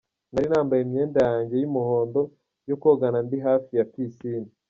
Nari nambaye imyenda yange y’umuhondo yo kogana ndi hafi ya pisine.